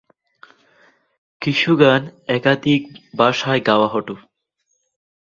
কিছু গান একাধিক ভাষায় গাওয়া হতো।